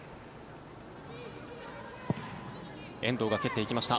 遠藤が蹴っていきました。